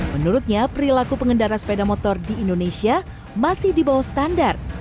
menurutnya perilaku pengendara sepeda motor di indonesia masih di bawah standar